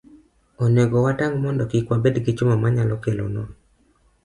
Onego watang' mondo kik wabed gi chuma manyalo kelonwa